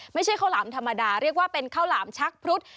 ไม่ใช่ข้าวหลามธรรมดาเรียกว่าเป็นข้าวหลามชักพรุษ